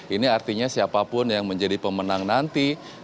ini artinya siapapun yang menjadi pemenang nanti